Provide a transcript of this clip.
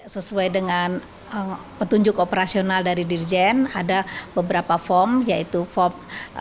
sesuai dengan petunjuk operasional dari dirjen ada beberapa form yaitu form satu ratus enam puluh delapan satu ratus enam puluh sembilan satu ratus tujuh puluh